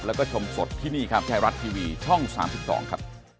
แล้วก็ชมสดที่นี่ครับไทยรัฐทีวีช่อง๓๒ครับ